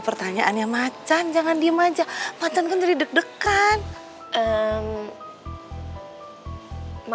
brody gak akan nemenin kamu disana